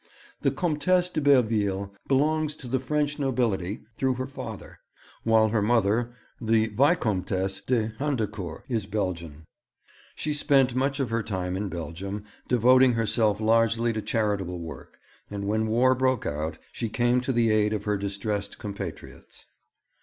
The Comtesse de Belleville belongs to the French nobility through her father, while her mother, the Vicomtesse d'Hendecourt, is Belgian. She spent much of her time in Belgium, devoting herself largely to charitable work, and when war broke out she came to the aid of her distressed compatriots.